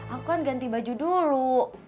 aku kan ganti baju dulu